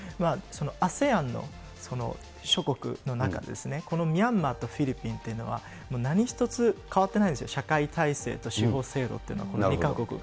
ＡＳＥＡＮの諸国の中で、ミャンマーとフィリピンっていうのは、何一つ変わってないんですよ、社会体制と司法制度というの、この２か国が。